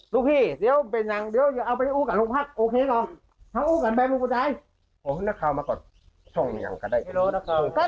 ลูกพี่เดี๋ยวแบ่งยังเดี๋ยวเอาไปอุ๊งกันลูกภาค